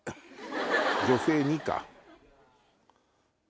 女性２か。